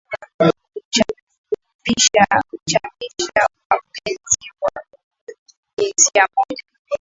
kuchapisha wapenzi wa jinsia moja